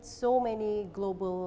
kepentingan ekonomi global